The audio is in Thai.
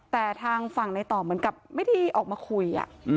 แต่ทางฝั่งในต่อเหมือนกับไม่ได้ออกมาคุย